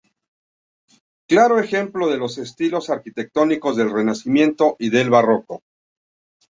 Claro ejemplo de los estilos arquitectónicos del Renacimiento y del Barroco.